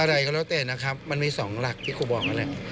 อะไรก็แล้วแต่นะครับมันมี๒หลักที่ครูบอกนั่นแหละ